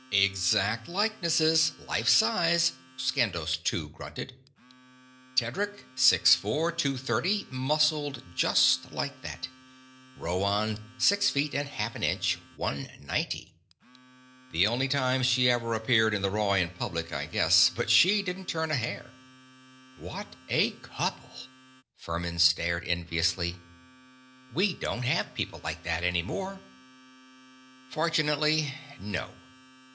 "_ _"Exact likenesses life size," Skandos Two grunted. "Tedric: six four, two thirty, muscled just like that. Rhoann: six feet and half an inch, one ninety. The only time she ever appeared in the raw in public, I guess, but she didn't turn a hair."_ "What a couple!" Furmin stared enviously. "We don't have people like that any more." _"Fortunately, no.